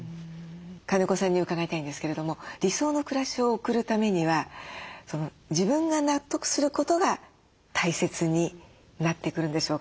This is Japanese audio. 金子さんに伺いたいんですけれども理想の暮らしを送るためには自分が納得することが大切になってくるんでしょうか？